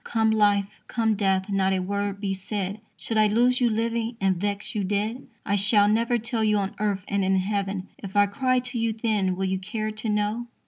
Come life, come death, not a word be said; Should I lose you living, and vex you dead? I shall never tell you on earth, and in heaven, If I cry to you then, will you care to know?